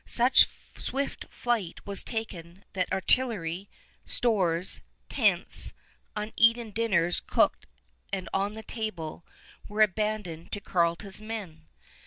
Such swift flight was taken that artillery, stores, tents, uneaten dinners cooked and on the table, were abandoned to Carleton's men.